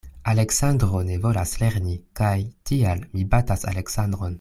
Aleksandro ne volas lerni, kaj tial mi batas Aleksandron.